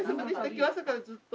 今日朝からずっと。